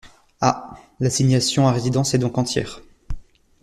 Ah ! L’assignation à résidence est donc entière.